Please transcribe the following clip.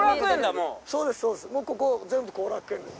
もうここ全部後楽園。